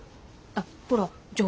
あっほら条